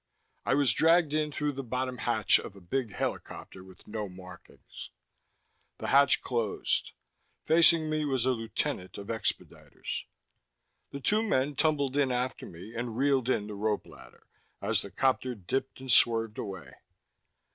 I was dragged in through the bottom hatch of a big helicopter with no markings. The hatch closed. Facing me was a lieutenant of expediters. The two men tumbled in after me and reeled in the rope ladder, as the copter dipped and swerved away.